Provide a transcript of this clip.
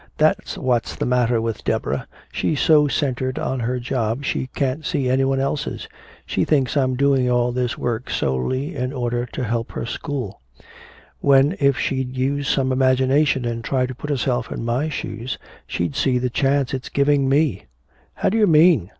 "That's what's the matter with Deborah. She's so centered on her job she can't see anyone else's. She thinks I'm doing all this work solely in order to help her school when if she'd use some imagination and try to put herself in my shoes, she'd see the chance it's giving me!" "How do you mean?"